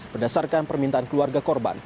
berdasarkan permintaan keluarga korban